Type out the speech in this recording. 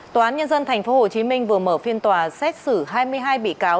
tòa án nhân dân tp hcm vừa mở phiên tòa xét xử hai mươi hai bị cáo